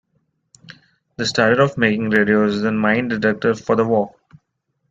They started off making radios, then mine detectors for the war.